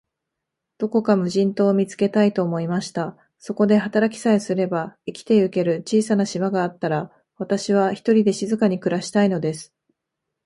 どこか無人島を見つけたい、と思いました。そこで働きさえすれば、生きてゆける小さな島があったら、私は、ひとりで静かに暮したいのです。